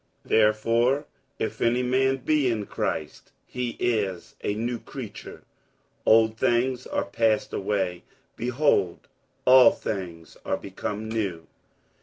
47:005:017 Therefore if any man be in Christ, he is a new creature: old things are passed away; behold, all things are become new.